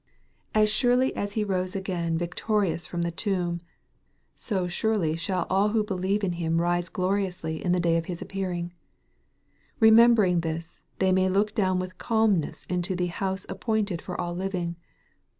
As surely as He rose again victorious MARK, CHAP. XVI. 353 from the tomb, so surely shall all who believe in Him rise gloriously in the day of His appearing. Bemember ing this, they may look down with calmness into the " house appointed for all living."